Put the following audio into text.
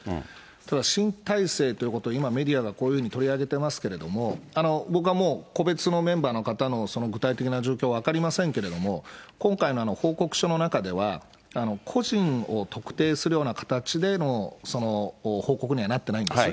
ただ、新体制ということを今、メディアがこういうふうに取り上げてますけれども、僕はもう、個別のメンバーの方の具体的な状況は分かりませんけれども、今回の報告書の中では、個人を特定するような形での報告にはなってないんです。